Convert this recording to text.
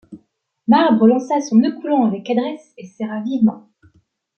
Marbre lança son nœud coulant avec adresse et serra vivement.